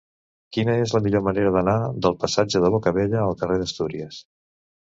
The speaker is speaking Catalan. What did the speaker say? Quina és la millor manera d'anar del passatge de Bocabella al carrer d'Astúries?